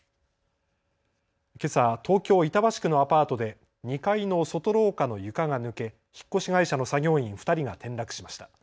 けさ東京板橋区のアパートで２階の外廊下の床が抜け引っ越し会社の作業員２人が転落しました。